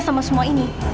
sama semua ini